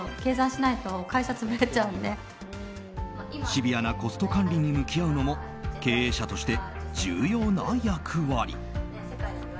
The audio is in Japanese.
シビアなコスト管理に向き合うのも経営者として重要な役割。